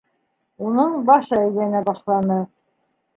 Уның башы әйләнә башланы.